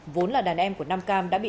vốn là đàn em của nam cam đã bị